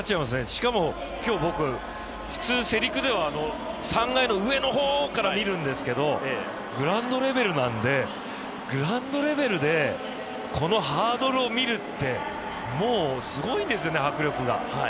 しかも今日僕、普通世界陸上では３階の上の方から見るんですけどグラウンドレベルなんでグラウンドレベルでこのハードルを見るってもうすごいですね、迫力が。